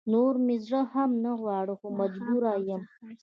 نور مې زړه هم نه غواړي خو مجبوره يم